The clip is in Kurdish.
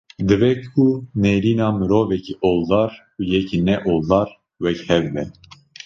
Dibe ku nêrîna mirovekî oldar û yekî ne oldar wek hev be